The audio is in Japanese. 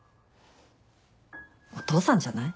お父さんじゃない？